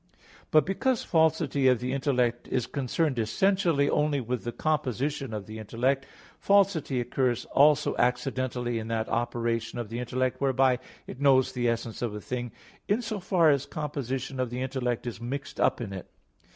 2). But because falsity of the intellect is concerned essentially only with the composition of the intellect, falsity occurs also accidentally in that operation of the intellect whereby it knows the essence of a thing, in so far as composition of the intellect is mixed up in it.